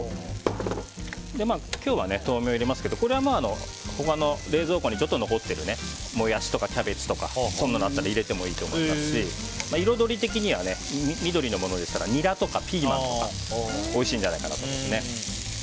今日は豆苗を入れますけど冷蔵庫にちょっと残っているモヤシとかキャベツとかそんなのあったら入れてもいいと思いますし彩り的には緑のものでしたらニラとかピーマンとかおいしいんじゃないかと思います。